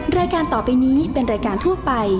รายการต่อไปนี้เป็นรายการทั่วไป